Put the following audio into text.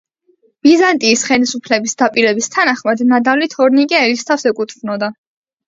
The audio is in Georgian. ბიზანტიის ხელისუფლების დაპირების თანახმად, ნადავლი თორნიკე ერისთავს ეკუთვნოდა.